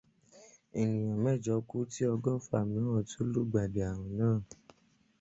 Ènìyàn mẹ́jọ kú ti ọgọ́fà mìíràn tún lùgbàdì ààrùn náà.